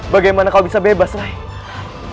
bagaimana kamu bisa bebas rahehe